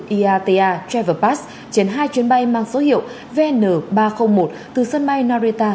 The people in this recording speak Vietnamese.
iata travel pass trên hai chuyến bay mang số hiệu vn ba trăm linh một từ sân bay narita